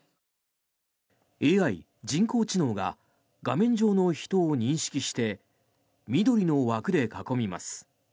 ＡＩ・人工知能が画面上の人を認識して緑の枠で囲みます。